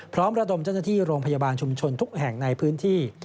ระดมเจ้าหน้าที่โรงพยาบาลชุมชนทุกแห่งในพื้นที่